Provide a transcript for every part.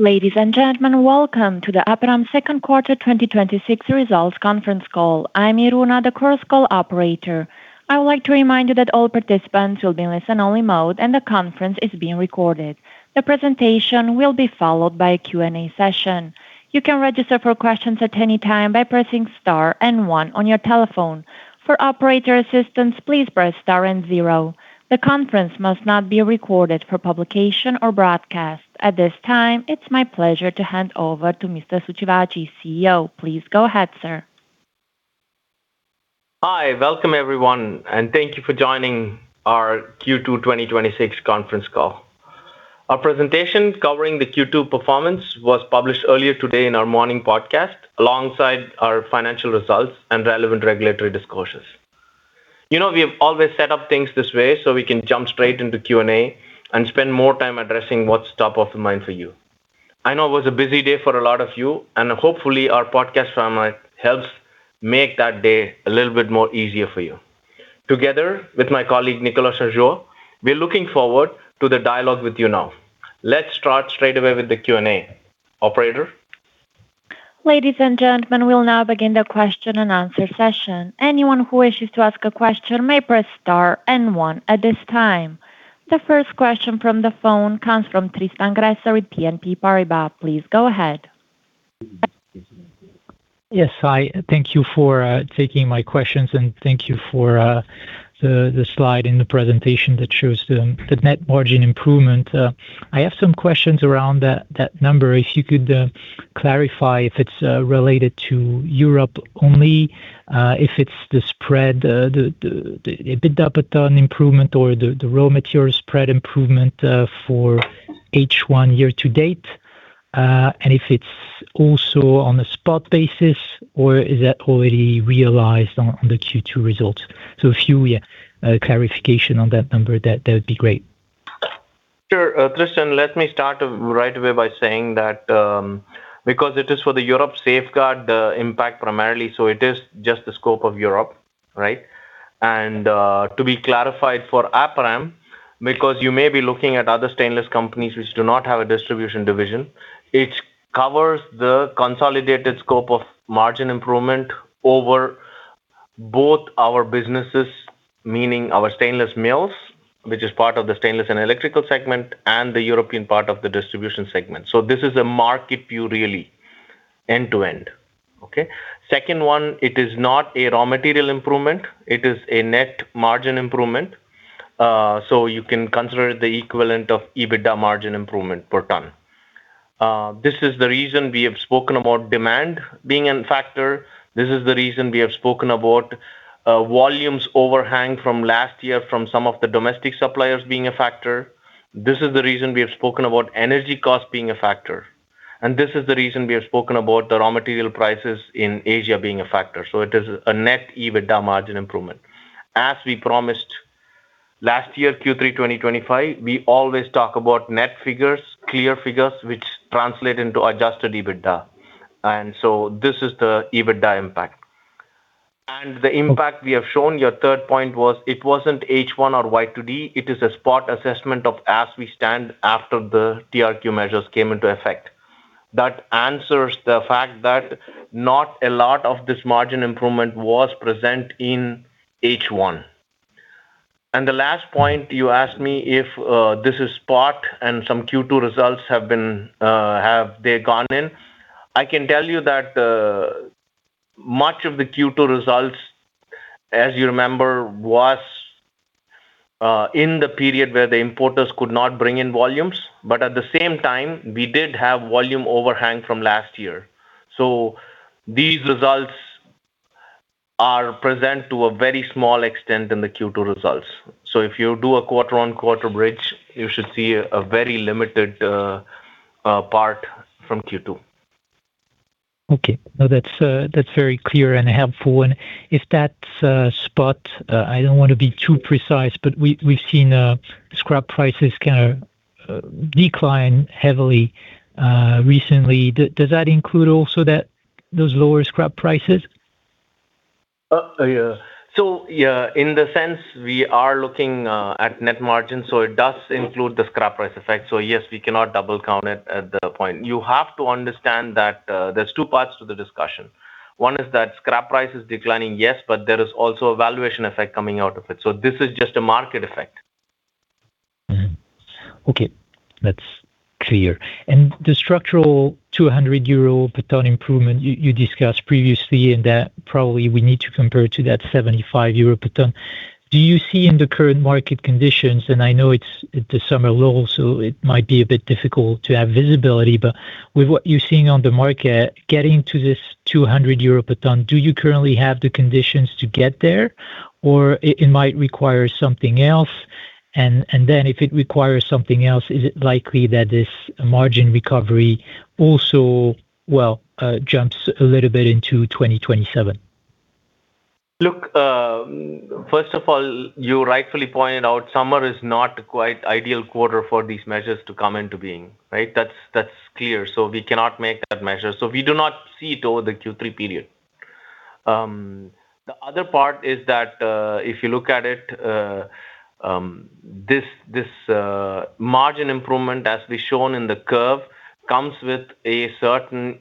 Ladies and gentlemen, welcome to the Aperam second quarter 2026 results conference call. I'm Iruna, the Chorus Call operator. I would like to remind you that all participants will be in listen only mode and the conference is being recorded. The presentation will be followed by a Q&A session. You can register for questions at any time by pressing star and one on your telephone. For operator assistance, please press star and zero. The conference must not be recorded for publication or broadcast. At this time, it's my pleasure to hand over to Mr. Sud Sivaji, CEO. Please go ahead, sir. Hi. Welcome, everyone, and thank you for joining our Q2 2026 conference call. Our presentation covering the Q2 performance was published earlier today in our morning podcast, alongside our financial results and relevant regulatory disclosures. We have always set up things this way so we can jump straight into Q&A and spend more time addressing what's top of mind for you. I know it was a busy day for a lot of you, and hopefully our podcast format helps make that day a little bit more easier for you. Together with my colleague, Nicolas Changeur, we're looking forward to the dialogue with you now. Let's start straight away with the Q&A. Operator? Ladies and gentlemen, we'll now begin the question-and-answer session. Anyone who wishes to ask a question may press star and one at this time. The first question from the phone comes from Tristan Gresser with BNP Paribas. Please go ahead. Yes. Hi. Thank you for taking my questions, and thank you for the slide in the presentation that shows the net margin improvement. I have some questions around that number. If you could clarify if it's related to Europe only, if it's the spread, the EBITDA per ton improvement or the raw material spread improvement for H1 year to date. If it's also on a spot basis or is that already realized on the Q2 results? So a few clarification on that number, that would be great. Sure. Tristan, let me start right away by saying that because it is for the Europe safeguard the impact primarily, it is just the scope of Europe, right? To be clarified for Aperam, because you may be looking at other stainless companies which do not have a distribution division, it covers the consolidated scope of margin improvement over both our businesses, meaning our stainless mills, which is part of the Stainless & Electrical Steel segment, and the European part of the distribution segment. This is a market view, really, end-to-end. Okay? Second one, it is not a raw material improvement. It is a net margin improvement. You can consider it the equivalent of EBITDA margin improvement per ton. This is the reason we have spoken about demand being a factor. This is the reason we have spoken about volumes overhang from last year from some of the domestic suppliers being a factor. This is the reason we have spoken about energy cost being a factor. This is the reason we have spoken about the raw material prices in Asia being a factor. It is a net EBITDA margin improvement. As we promised last year, Q3 2025, we always talk about net figures, clear figures, which translate into adjusted EBITDA. This is the EBITDA impact. The impact we have shown, your third point was it wasn't H1 or YTD, it is a spot assessment of as we stand after the TRQ measures came into effect. That answers the fact that not a lot of this margin improvement was present in H1. The last point, you asked me if this is spot and some Q2 results, have they gone in? I can tell you that much of the Q2 results, as you remember, was in the period where the importers could not bring in volumes, but at the same time, we did have volume overhang from last year. These results are present to a very small extent in the Q2 results. If you do a quarter-on-quarter bridge, you should see a very limited part from Q2. Okay. No, that's very clear and helpful. If that's spot, I don't want to be too precise, but we've seen scrap prices kind of decline heavily recently. Does that include also those lower scrap prices? Yeah. In the sense we are looking at net margin, it does include the scrap price effect. Yes, we cannot double count it at the point. You have to understand that there's two parts to the discussion. One is that scrap price is declining, yes, but there is also a valuation effect coming out of it. This is just a market effect. Mm-hmm. Okay. That's clear. The structural 200 euro per ton improvement you discussed previously, and that probably we need to compare to that 75 euro per ton. Do you see in the current market conditions, and I know it's the summer low, so it might be a bit difficult to have visibility, but with what you're seeing on the market getting to this 200 euro per ton, do you currently have the conditions to get there? Or it might require something else and then if it requires something else, is it likely that this margin recovery also, well, jumps a little bit into 2027? Look, first of all, you rightfully pointed out summer is not quite ideal quarter for these measures to come into being, right? That's clear. We cannot make that measure. We do not see it over the Q3 period. The other part is that, if you look at it, this margin improvement, as we've shown in the curve, comes with a certain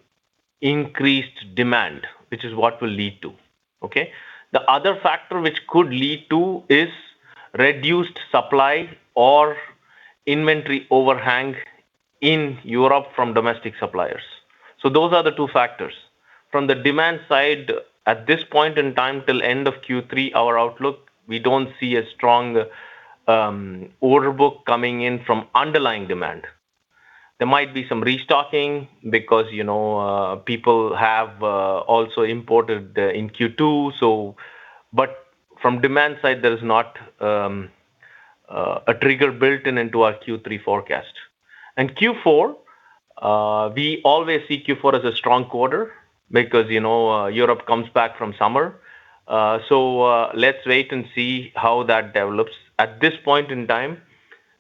increased demand, which is what will lead to. Okay? The other factor which could lead to is reduced supply or inventory overhang in Europe from domestic suppliers. Those are the two factors. From the demand side, at this point in time till end of Q3, our outlook, we don't see a strong order book coming in from underlying demand. There might be some restocking because people have also imported in Q2. From demand side, there is not a trigger built in into our Q3 forecast. Q4, we always see Q4 as a strong quarter because Europe comes back from summer. Let's wait and see how that develops. At this point in time,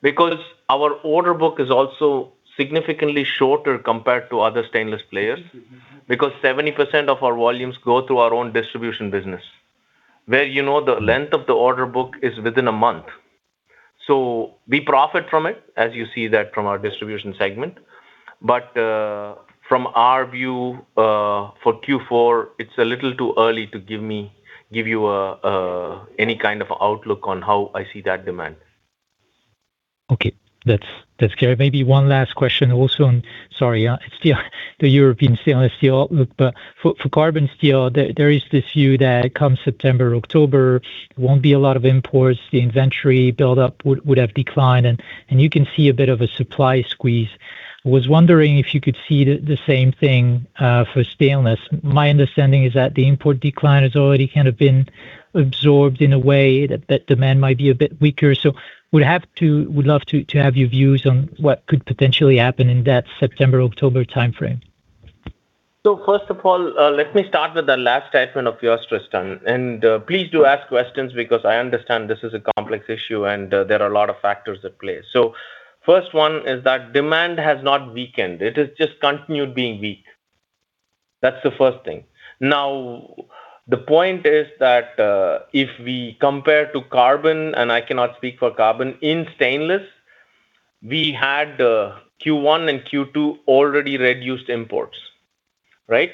because our order book is also significantly shorter compared to other stainless players, because 70% of our volumes go through our own distribution business, where the length of the order book is within a month. We profit from it, as you see that from our distribution segment. From our view, for Q4, it's a little too early to give you any kind of outlook on how I see that demand. Okay. That's clear. Maybe one last question also on, sorry, it's the European stainless steel. For carbon steel, there is this view that come September, October, there won't be a lot of imports, the inventory buildup would have declined, and you can see a bit of a supply squeeze. I was wondering if you could see the same thing for stainless. My understanding is that the import decline has already kind of been absorbed in a way that that demand might be a bit weaker. Would love to have your views on what could potentially happen in that September-October timeframe. First of all, let me start with the last statement of yours, Tristan. Please do ask questions because I understand this is a complex issue and there are a lot of factors at play. First one is that demand has not weakened. It has just continued being weak. That's the first thing. Now, the point is that, if we compare to carbon, and I cannot speak for carbon, in stainless, we had Q1 and Q2 already reduced imports. Right?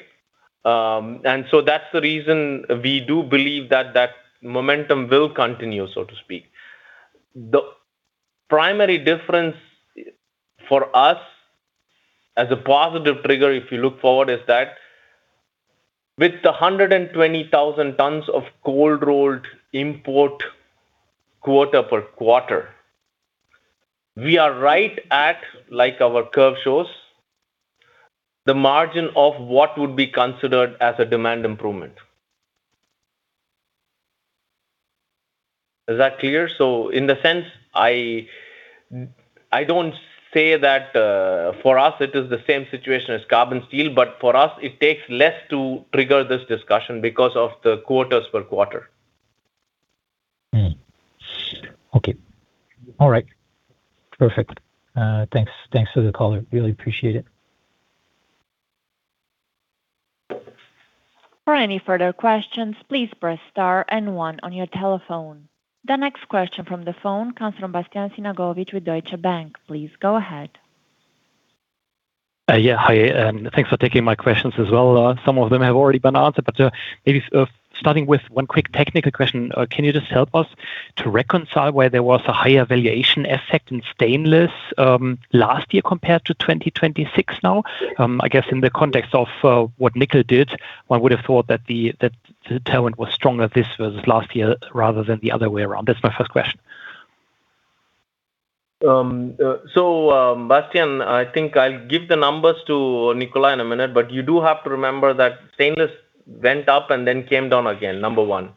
That's the reason we do believe that that momentum will continue, so to speak. The primary difference for us as a positive trigger, if you look forward, is that with the 120,000 tons of cold rolled import quarter per quarter, we are right at, like our curve shows, the margin of what would be considered as a demand improvement. Is that clear? In the sense, I don't say that for us it is the same situation as carbon steel, for us it takes less to trigger this discussion because of the quarters per quarter. Okay. All right. Perfect. Thanks for the call. I really appreciate it. For any further questions, please press star and one on your telephone. The next question from the phone comes from Bastian Synagowitz with Deutsche Bank. Please go ahead. Yeah. Hi, thanks for taking my questions as well. Some of them have already been answered, but maybe starting with one quick technical question. Can you just help us to reconcile why there was a higher valuation effect in Stainless last year compared to 2026 now? I guess in the context of what nickel did, one would have thought that the tailwind was stronger this versus last year rather than the other way around. That's my first question. Bastian, I think I'll give the numbers to Nicolas in a minute, but you do have to remember that Stainless went up and then came down again, number one.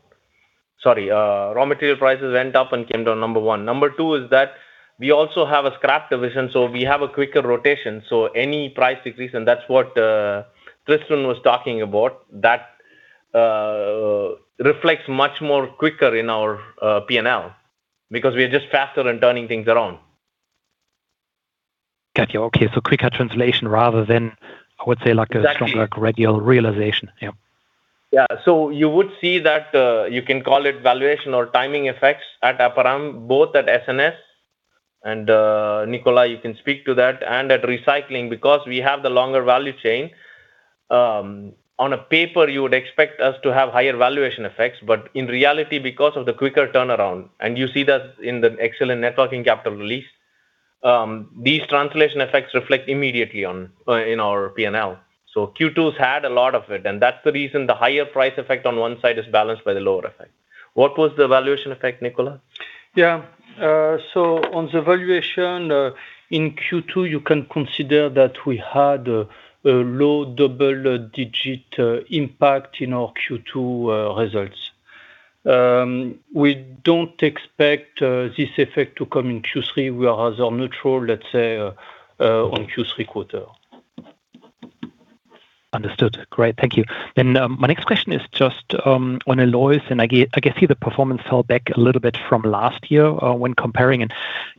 Sorry, raw material prices went up and came down, number one. Number two is that we also have a scrap division, we have a quicker rotation. Any price increase, and that's what Tristan was talking about, that reflects much more quicker in our P&L because we are just faster in turning things around. Got you. Okay. Quicker translation rather than, I would say. Exactly stronger gradual realization. Yeah. Yeah. You would see that, you can call it valuation or timing effects at Aperam, both at S&S, and Nicolas, you can speak to that, and at recycling, because we have the longer value chain. On a paper, you would expect us to have higher valuation effects. In reality, because of the quicker turnaround, and you see that in the excellent net working capital release, these translation effects reflect immediately in our P&L. Q2's had a lot of it, and that's the reason the higher price effect on one side is balanced by the lower effect. What was the valuation effect, Nicolas? Yeah. On the valuation, in Q2, you can consider that we had a low double-digit impact in our Q2 results. We don't expect this effect to come in Q3. We are as a neutral, let's say, on Q3 quarter. Understood. Great. Thank you. My next question is just on alloys, and I can see the performance fell back a little bit from last year when comparing.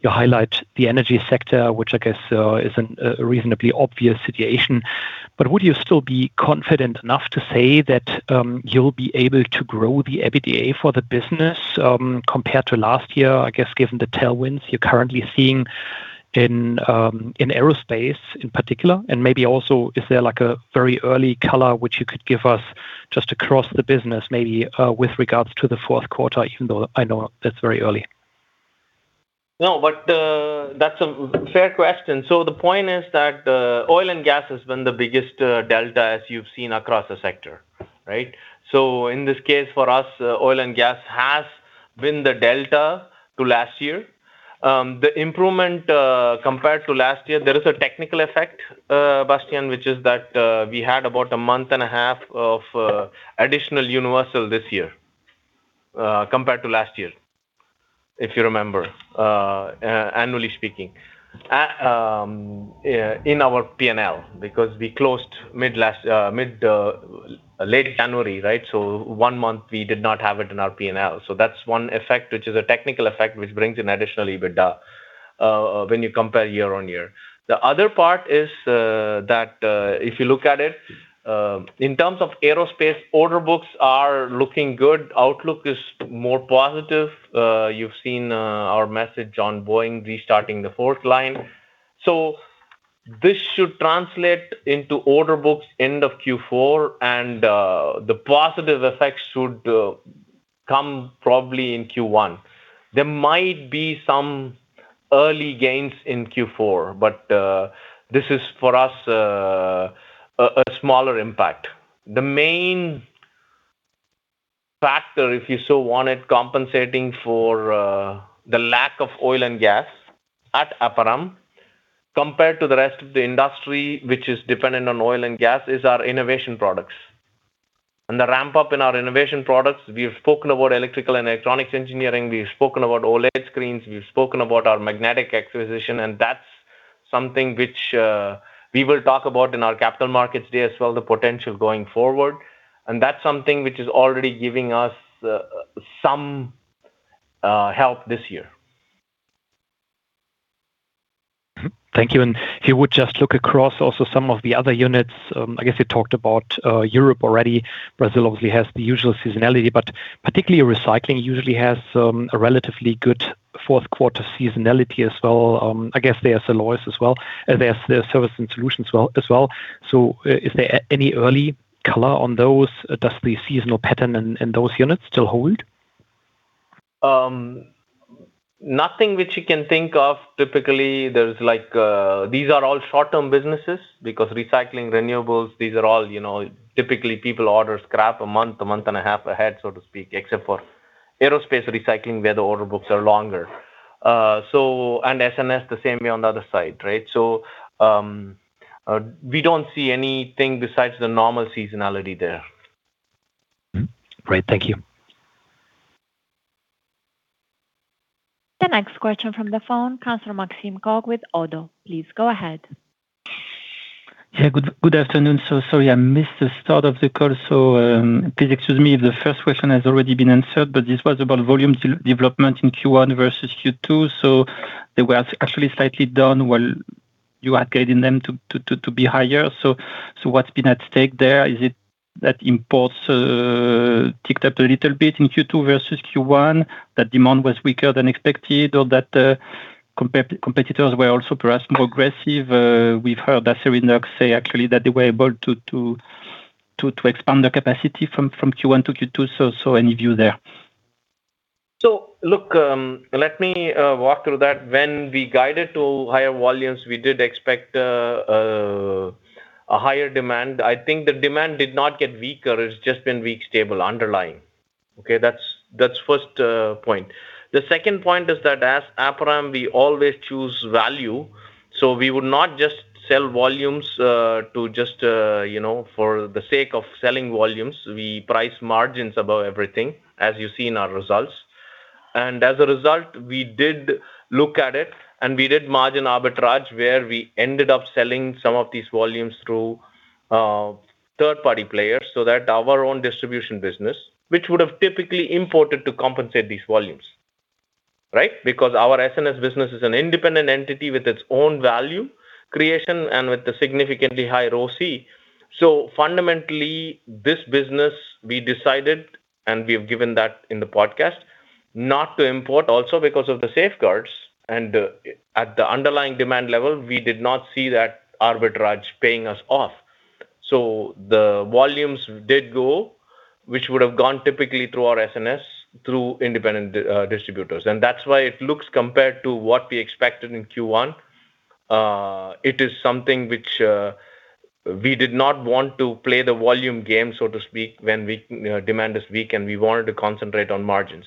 You highlight the energy sector, which I guess is a reasonably obvious situation, but would you still be confident enough to say that you'll be able to grow the EBITDA for the business compared to last year, I guess given the tailwinds you're currently seeing in aerospace in particular? Maybe also, is there a very early color which you could give us just across the business, maybe with regards to the fourth quarter, even though I know that's very early? No, but that's a fair question. The point is that oil and gas has been the biggest delta as you've seen across the sector. Right? In this case, for us, oil and gas has been the delta to last year. The improvement compared to last year, there is a technical effect, Bastian, which is that we had about a month and a half of additional Universal this year compared to last year, if you remember, annually speaking, in our P&L, because we closed late January, right? One month we did not have it in our P&L. That's one effect, which is a technical effect, which brings an additional EBITDA when you compare year-on-year. The other part is that if you look at it, in terms of aerospace, order books are looking good. Outlook is more positive. You've seen our message on Boeing restarting the fourth line. This should translate into order books end of Q4, and the positive effects should come probably in Q1. There might be some early gains in Q4, this is for us a smaller impact. The main factor, if you so wanted compensating for the lack of oil and gas at Aperam compared to the rest of the industry, which is dependent on oil and gas, is our innovation products. The ramp-up in our innovation products, we've spoken about electrical and electronics engineering, we've spoken about OLED screens, we've spoken about our magnetic acquisition, that's something which we will talk about in our Capital Markets Day as well, the potential going forward. That's something which is already giving us some help this year. Thank you. If you would just look across also some of the other units, I guess you talked about Europe already. Brazil obviously has the usual seasonality, but particularly recycling usually has a relatively good fourth quarter seasonality as well. I guess their alloys as well, their service and solutions as well. Is there any early color on those? Does the seasonal pattern in those units still hold? Nothing which you can think of. Typically, these are all short-term businesses because recycling, renewables, these are all typically people order scrap a month, a month and a half ahead, so to speak, except for aerospace recycling, where the order books are longer. S&S, the same way on the other side. Right? We don't see anything besides the normal seasonality there. Great. Thank you. The next question from the phone, counselor Maxime Kogge with ODDO. Please go ahead. Good afternoon. Sorry, I missed the start of the call, so please excuse me if the first question has already been answered, but this was about volume development in Q1 versus Q2. They were actually slightly down while you are guiding them to be higher. What's been at stake there? Is it that imports ticked up a little bit in Q2 versus Q1? That demand was weaker than expected, or that competitors were also perhaps more aggressive? We've heard Acerinox say actually that they were able to expand their capacity from Q1 to Q2. Any view there? Look, let me walk through that. When we guided to higher volumes, we did expect a higher demand. I think the demand did not get weaker. It's just been weak, stable underlying. Okay, that's first point. The second point is that as Aperam, we always choose value. We would not just sell volumes for the sake of selling volumes. We price margins above everything, as you see in our results. As a result, we did look at it and we did margin arbitrage where we ended up selling some of these volumes through third-party players so that our own distribution business, which would have typically imported to compensate these volumes. Right? Our S&S business is an independent entity with its own value creation and with a significantly higher ROCE. Fundamentally, this business, we decided, and we have given that in the podcast, not to import also because of the safeguards and at the underlying demand level, we did not see that arbitrage paying us off. The volumes did go, which would have gone typically through our S&S, through independent distributors. That's why it looks compared to what we expected in Q1. It is something which we did not want to play the volume game, so to speak, when demand is weak, and we wanted to concentrate on margins.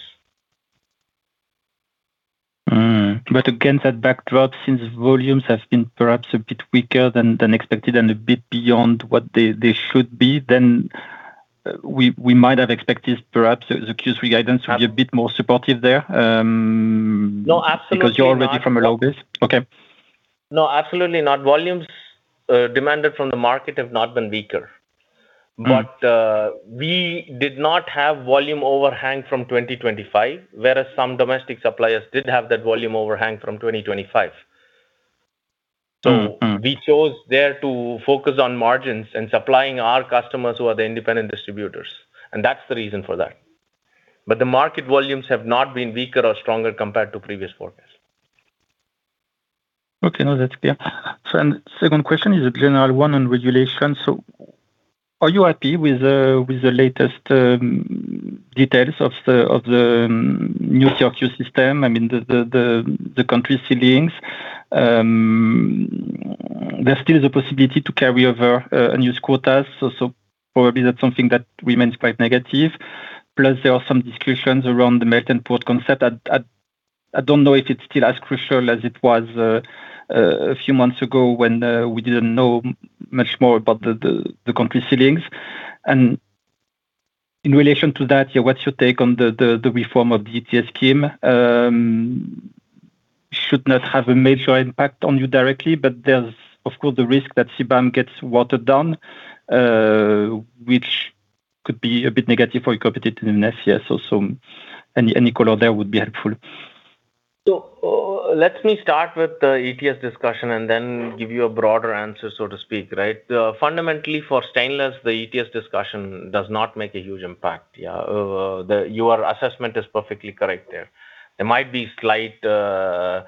Against that backdrop, since volumes have been perhaps a bit weaker than expected and a bit beyond what they should be, we might have expected perhaps the Q3 guidance to be a bit more supportive there. No, absolutely not. Because you're already from a low base. Okay. No, absolutely not. Volumes demanded from the market have not been weaker. We did not have volume overhang from 2025, whereas some domestic suppliers did have that volume overhang from 2025. We chose there to focus on margins and supplying our customers who are the independent distributors, and that's the reason for that. The market volumes have not been weaker or stronger compared to previous quarters. Okay. No, that's clear. Second question is a general one on regulations. Are you happy with the latest details of the new TRQ system? I mean, the country ceilings. There's still the possibility to carry over unused quotas, probably that's something that remains quite negative. There are some discussions around the melt and pour concept. I don't know if it's still as crucial as it was a few months ago when we didn't know much more about the country ceilings. In relation to that, yeah, what's your take on the reform of the ETS scheme? Should not have a major impact on you directly, there's, of course, the risk that CBAM gets watered down, which could be a bit negative for your competitiveness, yes. Any color there would be helpful. Let me start with the ETS discussion and then give you a broader answer, so to speak, right? Fundamentally, for stainless, the ETS discussion does not make a huge impact, yeah. Your assessment is perfectly correct there. There might be slight discussions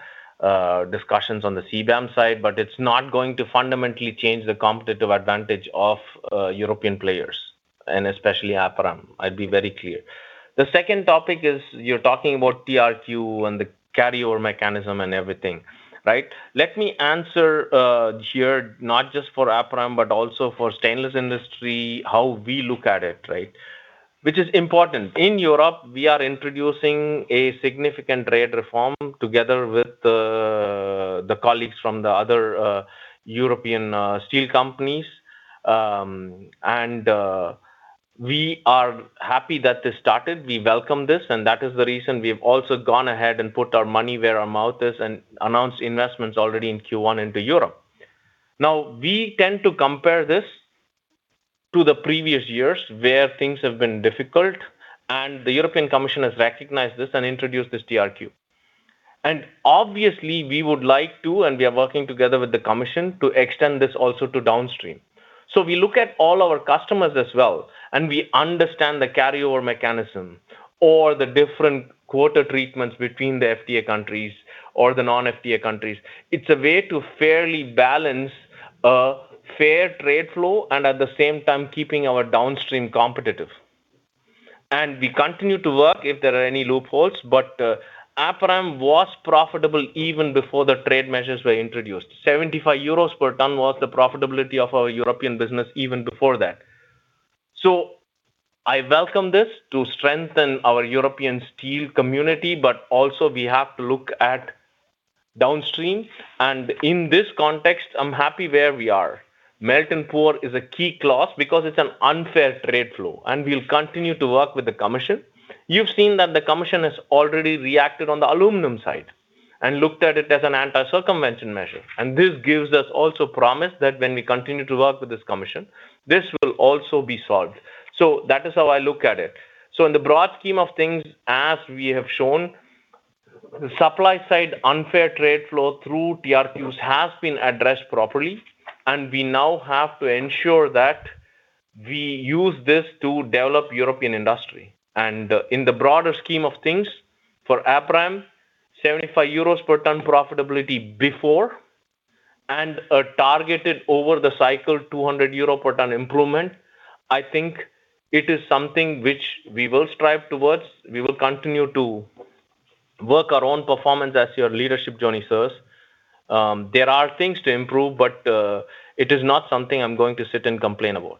on the CBAM side, it's not going to fundamentally change the competitive advantage of European players, and especially Aperam. I'd be very clear. The second topic is you're talking about TRQ and the carryover mechanism and everything, right? Let me answer here, not just for Aperam, but also for stainless industry, how we look at it, right? Which is important. In Europe, we are introducing a significant trade reform together with the colleagues from the other European steel companies. We are happy that this started. That is the reason we've also gone ahead and put our money where our mouth is and announced investments already in Q1 into Europe. We tend to compare this to the previous years where things have been difficult, the European Commission has recognized this and introduced this TRQ. Obviously, we would like to, and we are working together with the Commission, to extend this also to downstream. We look at all our customers as well, and we understand the carryover mechanism or the different quota treatments between the FTA countries or the non-FTA countries. It's a way to fairly balance a fair trade flow and at the same time keeping our downstream competitive. We continue to work if there are any loopholes, Aperam was profitable even before the trade measures were introduced. 75 euros per ton was the profitability of our European business even before that. I welcome this to strengthen our European steel community, also we have to look at downstream. In this context, I'm happy where we are. Melt and pour is a key clause because it's an unfair trade flow, we'll continue to work with the Commission. You've seen that the Commission has already reacted on the aluminum side and looked at it as an anti-circumvention measure. This gives us also promise that when we continue to work with this Commission, this will also be solved. That is how I look at it. In the broad scheme of things, as we have shown, the supply side unfair trade flow through TRQs has been addressed properly, we now have to ensure that we use this to develop European industry. In the broader scheme of things, for Aperam, 75 euros per ton profitability before, and a targeted over the cycle 200 euro per ton improvement, I think it is something which we will strive towards. We will continue to work our own performance as your Leadership Journey says. There are things to improve, it is not something I'm going to sit and complain about.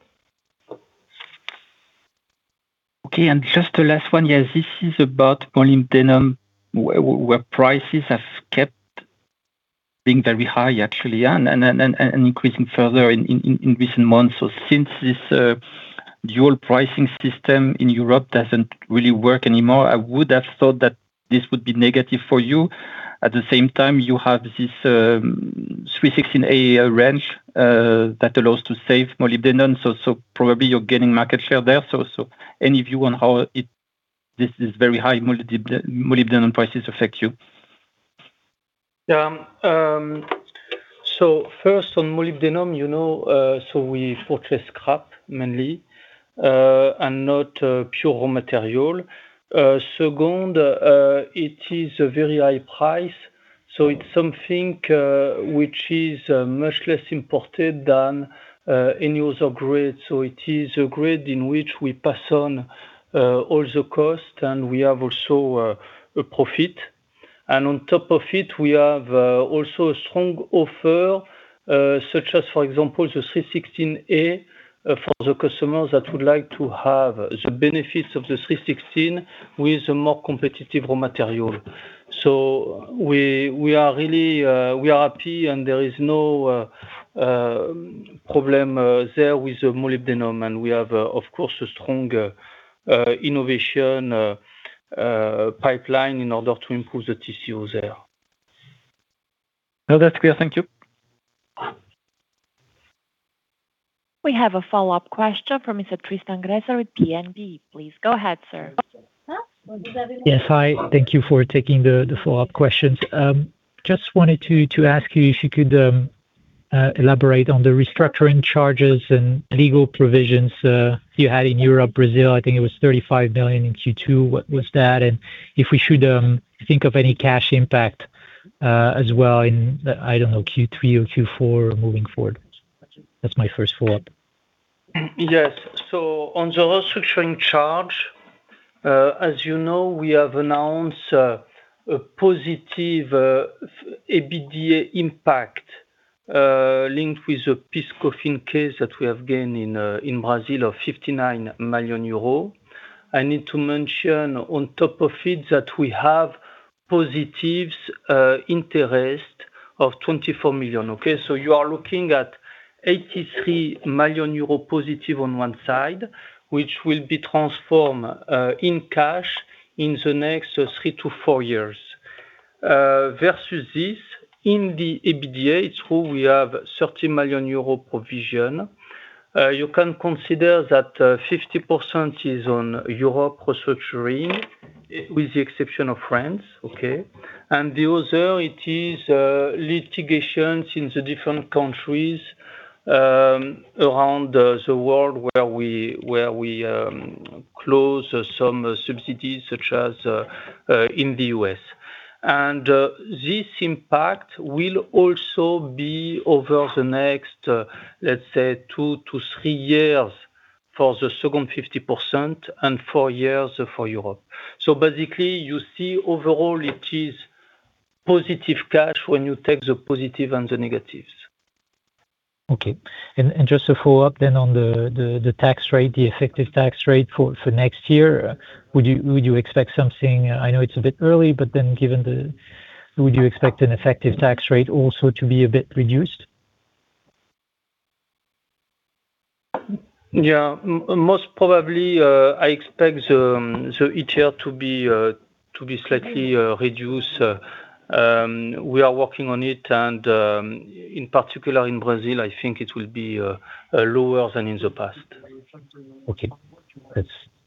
Just the last one. This is about molybdenum, where prices have kept being very high actually and increasing further in recent months. Since this dual pricing system in Europe doesn't really work anymore, I would have thought that this would be negative for you. At the same time, you have this 316L range that allows to save molybdenum, probably you're gaining market share there. Any view on how this very high molybdenum prices affect you? First on molybdenum, we focus scrap mainly, not pure raw material. Second, it is a very high price, it's something which is much less imported than any other grade. It is a grade in which we pass on all the cost, we have also a profit. On top of it, we have also a strong offer, such as, for example, the 316A for the customers that would like to have the benefits of the 316 with a more competitive raw material. We are happy and there is no problem there with the molybdenum, we have, of course, a strong innovation pipeline in order to improve the TCO there. No, that's clear. Thank you. We have a follow-up question from Mr. Tristan Gresser with BNP. Please go ahead, sir. Yes, hi. Thank you for taking the follow-up questions. Just wanted to ask you if you could elaborate on the restructuring charges and legal provisions you had in Europe, Brazil, I think it was 35 million in Q2. What was that? If we should think of any cash impact as well in, I don't know, Q3 or Q4 moving forward. That's my first follow-up. Yes. On the restructuring charge, as you know, we have announced a positive EBITDA impact, linked with a PIS/COFINS case that we have gained in Brazil of 59 million euros. I need to mention on top of it that we have positive interest of 24 million. You are looking at 83 million euro positive on one side, which will be transformed in cash in the next three to four years. Versus this, in the EBITDA, we have 30 million euro provision. You can consider that 50% is on Europe restructuring with the exception of France. The other, it is litigations in the different countries around the world where we close some subsidies such as in the U.S. This impact will also be over the next, let's say, two to three years for the second 50% and four years for Europe. Basically, you see overall it is positive cash when you take the positive and the negatives. Just a follow-up then on the tax rate, the effective tax rate for next year. Would you expect something, I know it's a bit early, but would you expect an effective tax rate also to be a bit reduced? Most probably, I expect the ETR to be slightly reduced. We are working on it and, in particular in Brazil, I think it will be lower than in the past. Okay.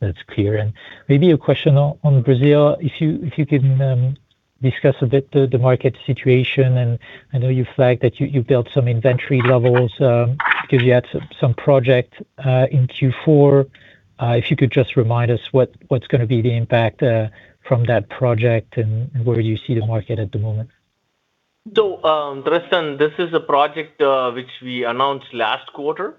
That's clear. Maybe a question on Brazil, if you can discuss a bit the market situation, I know you flagged that you built some inventory levels, because you had some project in Q4. If you could just remind us what's going to be the impact from that project and where you see the market at the moment. Tristan, this is a project which we announced last quarter.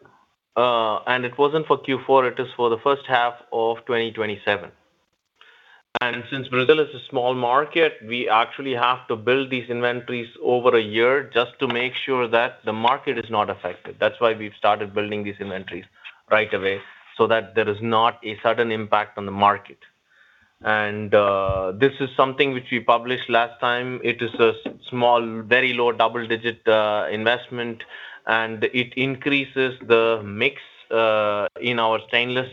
It wasn't for Q4, it is for the first half of 2027. Since Brazil is a small market, we actually have to build these inventories over a year just to make sure that the market is not affected. That's why we've started building these inventories right away so that there is not a sudden impact on the market. This is something which we published last time. It is a small, very low double-digit investment, and it increases the mix in our stainless,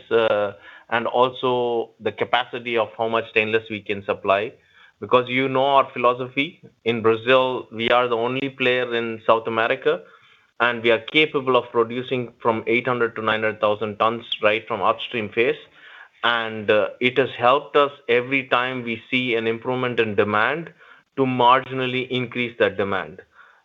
and also the capacity of how much stainless we can supply. Because you know our philosophy. In Brazil, we are the only player in South America, and we are capable of producing from 800,000 to 900,000 tons right from upstream phase. It has helped us every time we see an improvement in demand to marginally increase that demand.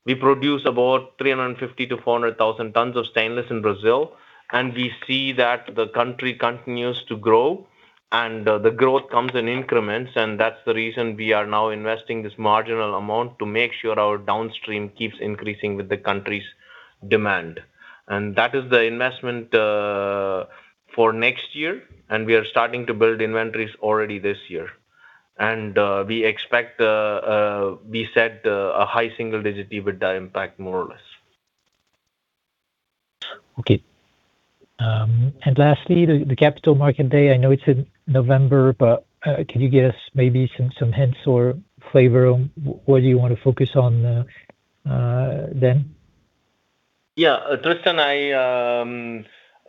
We produce about 350,000-400,000 tons of stainless in Brazil, and we see that the country continues to grow and the growth comes in increments, and that's the reason we are now investing this marginal amount to make sure our downstream keeps increasing with the country's demand. That is the investment for next year, and we are starting to build inventories already this year. We expect, we set a high single-digit EBITDA impact more or less. Okay. Lastly, the Capital Market Day, I know it's in November, but can you give us maybe some hints or flavor on what you want to focus on then? Yeah. Tristan,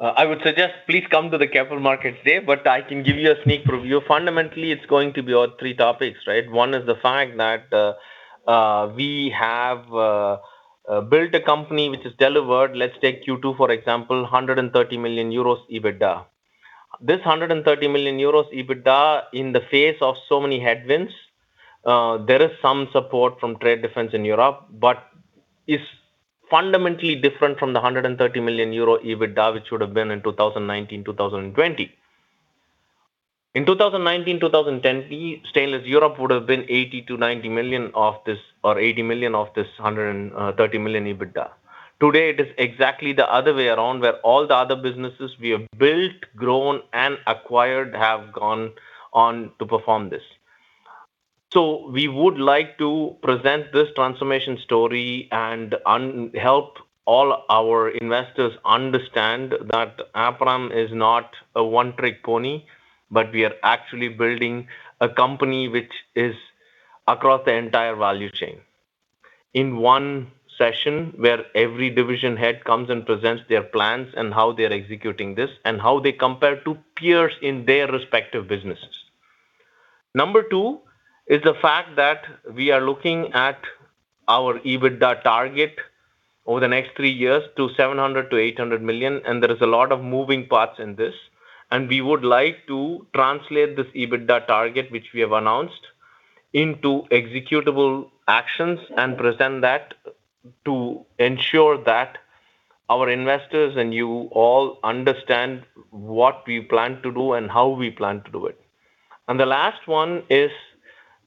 I would suggest please come to the Capital Markets Day. I can give you a sneak preview. Fundamentally, it's going to be on three topics, right? One is the fact that we have built a company which has delivered, let's take Q2, for example, 130 million euros EBITDA. This 130 million euros EBITDA in the face of so many headwinds, there is some support from trade defense in Europe. It's fundamentally different from the 130 million euro EBITDA, which would have been in 2019, 2020. In 2019, 2020, Stainless Europe would have been 80 million-90 million of this, or 80 million of this 130 million EBITDA. Today, it is exactly the other way around, where all the other businesses we have built, grown, and acquired have gone on to perform this. We would like to present this transformation story and help all our investors understand that Aperam is not a one-trick pony. We are actually building a company which is across the entire value chain. In one session where every division head comes and presents their plans and how they're executing this, and how they compare to peers in their respective businesses. Number two is the fact that we are looking at our EBITDA target over the next three years to 700 million-800 million. There is a lot of moving parts in this. We would like to translate this EBITDA target, which we have announced, into executable actions and present that to ensure that our investors and you all understand what we plan to do and how we plan to do it. The last one is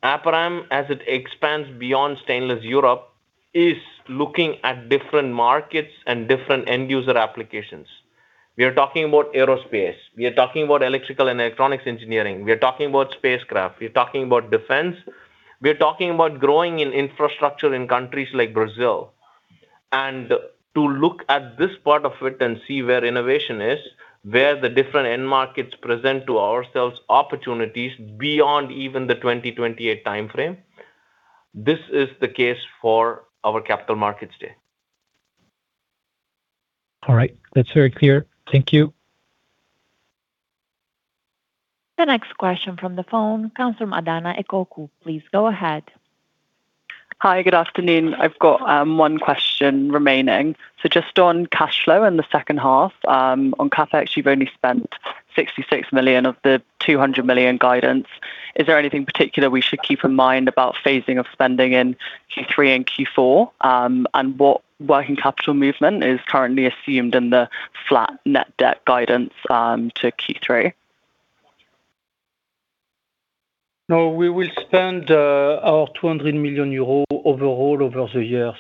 Aperam, as it expands beyond Stainless Europe, is looking at different markets and different end-user applications. We are talking about aerospace. We are talking about electrical and electronics engineering. We are talking about spacecraft. We are talking about defense. We are talking about growing in infrastructure in countries like Brazil. To look at this part of it and see where innovation is, where the different end markets present to ourselves opportunities beyond even the 2028 timeframe. This is the case for our Capital Markets Day. All right. That's very clear. Thank you. The next question from the phone comes from Adahna Ekoku. Please go ahead. Hi, good afternoon. I have got one question remaining. Just on cash flow in the second half, on CapEx, you have only spent 66 million of the 200 million guidance. Is there anything particular we should keep in mind about phasing of spending in Q3 and Q4? What working capital movement is currently assumed in the flat net debt guidance to Q3? No, we will spend our 200 million euro overall over the year.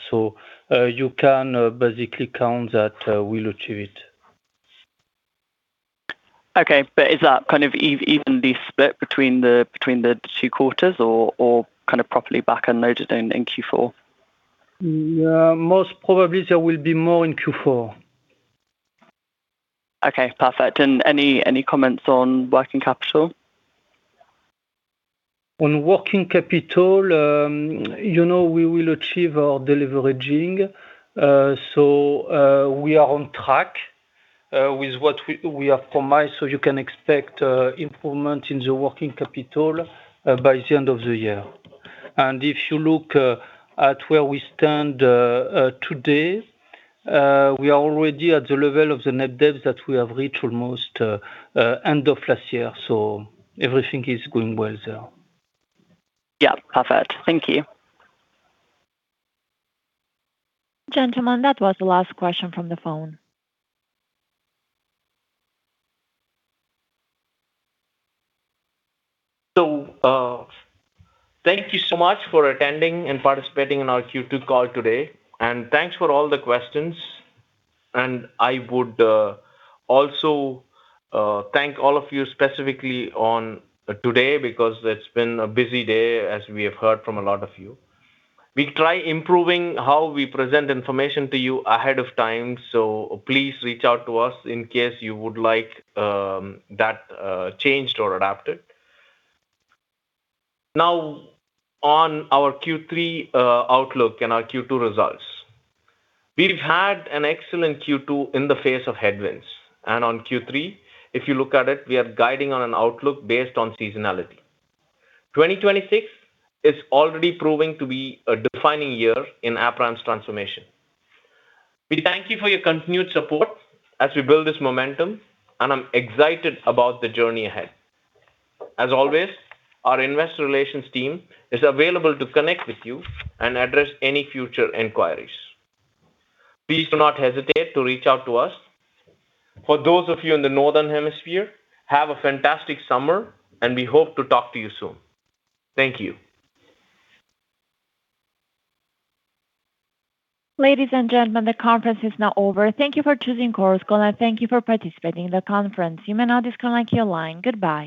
You can basically count that we will achieve it. Okay. Is that evenly split between the two quarters or properly back-end loaded in Q4? Most probably there will be more in Q4. Okay, perfect. Any comments on working capital? On working capital, we will achieve our deleveraging. We are on track with what we have promised. You can expect improvement in the working capital by the end of the year. If you look at where we stand today, we are already at the level of the net debts that we have reached almost end of last year. Everything is going well there. Yeah. Perfect. Thank you. Gentlemen, that was the last question from the phone. Thank you so much for attending and participating in our Q2 call today, and thanks for all the questions. I would also thank all of you specifically on today, because it's been a busy day, as we have heard from a lot of you. We try improving how we present information to you ahead of time, so please reach out to us in case you would like that changed or adapted. Now on our Q3 outlook and our Q2 results. We've had an excellent Q2 in the face of headwinds. On Q3, if you look at it, we are guiding on an outlook based on seasonality. 2026 is already proving to be a defining year in Aperam's transformation. We thank you for your continued support as we build this momentum, and I'm excited about the Journey ahead. As always, our investor relations team is available to connect with you and address any future inquiries. Please do not hesitate to reach out to us. For those of you in the Northern Hemisphere, have a fantastic summer, and we hope to talk to you soon. Thank you. Ladies and gentlemen, the conference is now over. Thank you for choosing Chorus Call, and thank you for participating in the conference. You may now disconnect your line. Goodbye